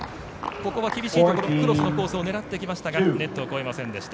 ここは厳しいところクロスのコースを狙いましたがネットを越えませんでした。